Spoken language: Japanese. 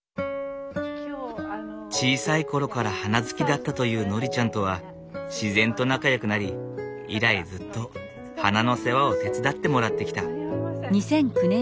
小さい頃から花好きだったというノリちゃんとは自然と仲よくなり以来ずっと花の世話を手伝ってもらってきた。